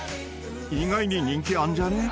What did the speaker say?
意外に人気あんじゃねえ？」］